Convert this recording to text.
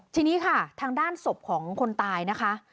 ทีนี้ค่ะทางด้านศพของคนตายนะคะ